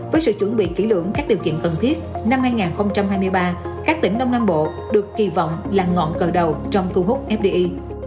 với sự chuẩn bị kỹ lưỡng các điều kiện cần thiết năm hai nghìn hai mươi ba các tỉnh đông nam bộ được kỳ vọng là ngọn cờ đầu trong thu hút fdi